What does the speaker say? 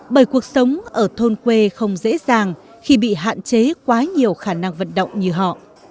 bởi cuộc sống ở thôn quê không dễ dàng khi bị hạn chế quá nhiều khả năng vận động như họ